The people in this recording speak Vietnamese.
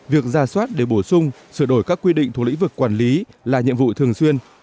việc ra soát để bổ sung sửa đổi các quy định thuộc lĩnh vực quản lý là nhiệm vụ thường xuyên